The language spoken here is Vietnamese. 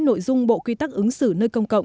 nội dung bộ quy tắc ứng xử nơi công cộng